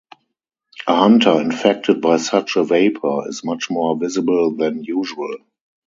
A hunter infected by such a vapor is much more visible than usual.